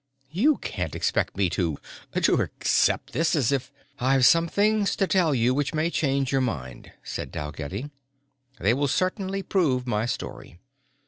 "You can't expect me to to accept this as if...." "I've some things to tell you which may change your mind," said Dalgetty. "They will certainly prove my story.